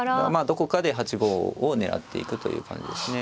どこかで８五を狙っていくという感じですね。